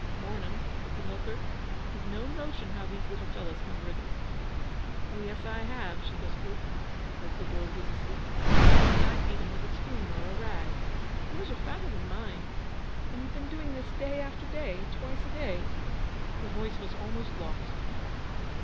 'Mornin',' said the milker. 'You've no notion how these little fellows can wriggle.' 'Oh, yes, I have.' She whispered, because the world was asleep. 'Only I feed them with a spoon or a rag. Yours are fatter than mine.... And you've been doing this day after day, twice a day?' The voice was almost lost.